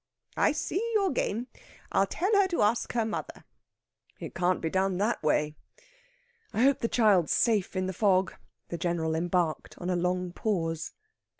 "I see your game. I'll tell her to ask her mother." "It can't be done that way. I hope the child's safe in the fog." The General embarked on a long pause.